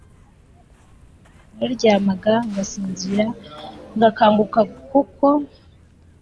Nararyamaga ngasinzira Ngakanguka kuko